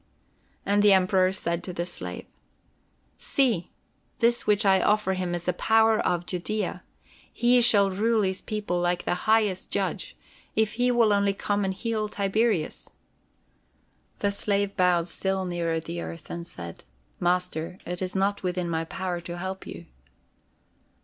And the Emperor said to the slave: "See! This which I offer him is the power over Judea. He shall rule his people like the highest judge, if he will only come and heal Tiberius!" The slave bowed still nearer the earth, and said: "Master, it is not within my power to help you."